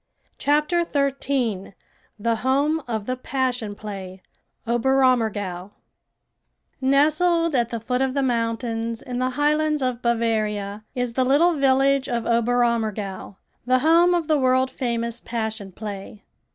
CHAPTER XIII THE HOME OF THE PASSION PLAY OBERAMMERGAU Nestled at the foot of the mountains in the highlands of Bavaria, is the little village of Oberammergau, the home of the world famous Passion Play.